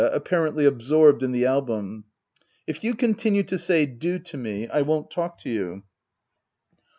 [Apparently absorbed in the album,] If you con tinue to say du to me I won't talk to you.